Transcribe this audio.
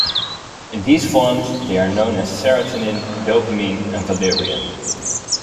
In these forms, they are known as Serotonin, Dopamine, and Valerian.